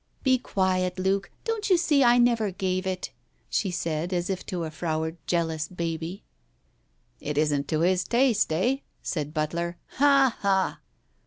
"Be quiet, Luke. Don't you see I never gave it?" she said, as if to a froward jealous baby. " It isn't to his taste, eh ?" said Butler. " Ha ! Ha